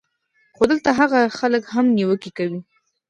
خو دلته هاغه خلک هم نېوکې کوي